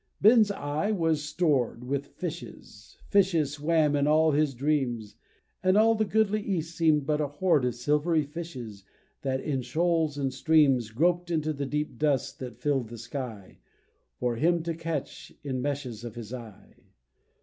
Ben's eye was stored With fishes fishes swam in all his dreams, And all the goodly east seem'd but a hoard Of silvery fishes, that in shoals and streams Groped into the deep dusk that fill'd the sky, For him to catch in meshes of his eye.